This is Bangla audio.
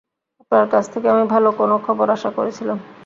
আপনার কাছ থেকে আমি ভালো কোনও খবর আশা করছিলাম।